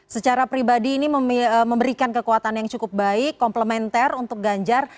secara pribadi ini memberikan kekuatan yang cukup baik komplementer untuk ganjar